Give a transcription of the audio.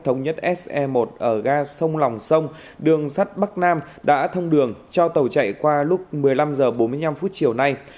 tàu thống nhất se một ở ga sông lòng sông đường sắt bắc nam đã thông đường cho tàu chạy qua lúc một mươi năm h bốn mươi năm chiều nay